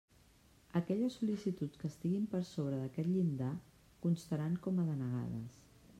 Aquelles sol·licituds que estiguin per sobre d'aquest llindar, constaran com a denegades.